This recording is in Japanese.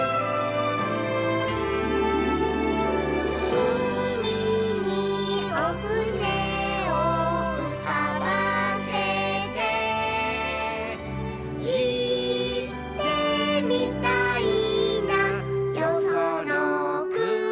「うみにおふねをうかばせて」「いってみたいなよそのくに」